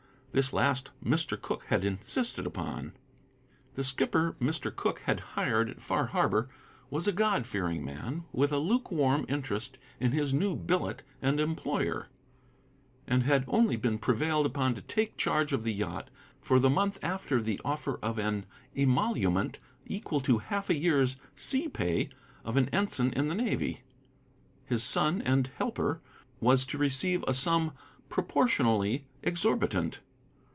This last Mr. Cooke had insisted upon. The skipper Mr. Cooke had hired at Far Harbor was a God fearing man with a luke warm interest in his new billet and employer, and had only been prevailed upon to take charge of the yacht for the month after the offer of an emolument equal to half a year's sea pay of an ensign in the navy. His son and helper was to receive a sum proportionally exorbitant.